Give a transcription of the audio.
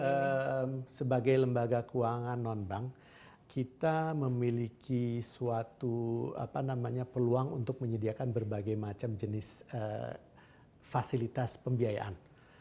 jadi sebagai lembaga keuangan non bank kita memiliki suatu apa namanya peluang untuk menyediakan berbagai macam jenis fasilitas pembiayaan